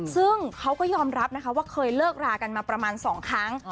ซึ่งเขาก็ยอมรับนะคะว่าเคยเลิกรากันมาประมาณ๒ครั้ง